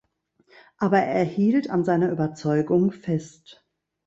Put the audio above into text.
Aber er hielt an seiner Überzeugung fest.